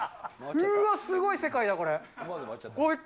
うわー、すごい世界だ、これ。